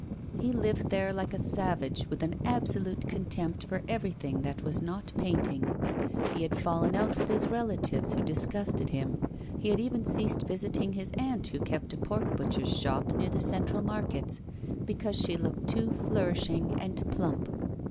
He lived there like a savage, with an absolute contempt for everything that was not painting. He had fallen out with his relatives, who disgusted him; he had even ceased visiting his aunt, who kept a pork butcher's shop near the Central Markets, because she looked too flourishing and plump.